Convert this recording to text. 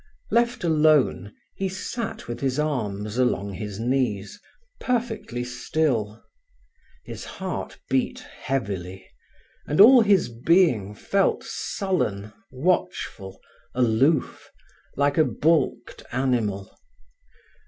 Left alone, he sat with his arms along his knees, perfectly still. His heart beat heavily, and all his being felt sullen, watchful, aloof, like a balked animal.